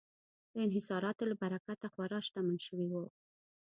د انحصاراتو له برکته خورا شتمن شوي وو.